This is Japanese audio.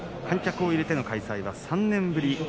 観客を入れての開催は３年ぶり。